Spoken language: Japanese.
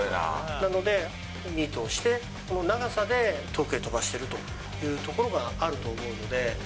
なのでミートをして、長さで遠くへ飛ばしているというところがあると思うので。